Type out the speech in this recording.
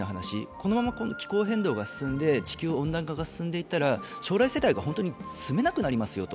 このまま気候変動が進んで地球温暖化が進んでいったら将来世代が本当に住めなくなりますよと。